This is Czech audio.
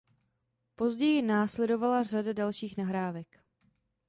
Později následovala řada dalších nahrávek.